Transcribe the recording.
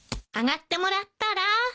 上がってもらったら？